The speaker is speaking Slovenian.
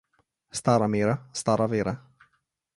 Stara mera, stara vera.